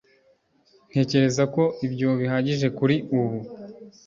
ntekereza ko ibyo bihagije kuri ubu